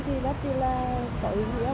thì rất là có ý nghĩa